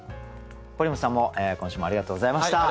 堀本さんも今週もありがとうございました。